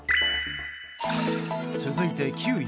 続いて、９位。